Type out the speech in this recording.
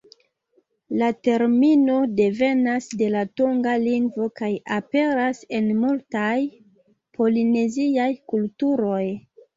La termino devenas de la tonga lingvo kaj aperas en multaj polineziaj kulturoj.